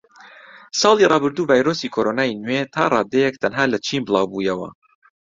ساڵی ڕابردوو ڤایرۆسی کۆرۆنای نوێ تاڕادەیەک تەنها لە چین بڵاوبوویەوە